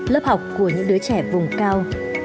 lớp học của những đứa trẻ vùng cao